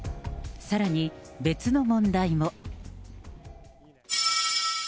さらに、別の問題も。